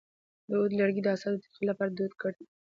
د عود لرګی د اعصابو د تقویت لپاره دود کړئ